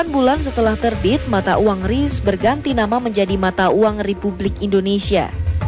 delapan bulan setelah terbit mata uang ris berganti nama menjadi mata uang republik indonesia